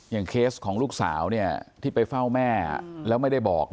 เคสของลูกสาวเนี่ยที่ไปเฝ้าแม่แล้วไม่ได้บอก